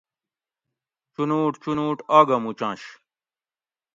چُنوٹ چُنوٹ آگہ مُچنش